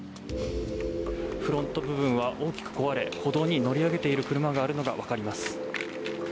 フロント部分は大きく壊れ車が歩道に乗り上げているのが分かります。